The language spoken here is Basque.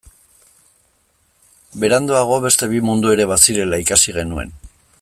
Beranduago beste bi mundu ere bazirela ikasi genuen.